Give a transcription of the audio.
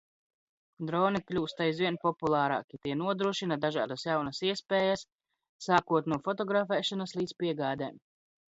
Droni kļūst aizvien populārāki, tie nodrošina dažādas jaunas iespējas – sākot no fotografēšanas līdz piegādēm.